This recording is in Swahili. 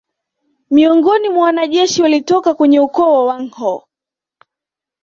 Miongoni mwa wanajeshi walitoka kwenye ukoo wa Wanghoo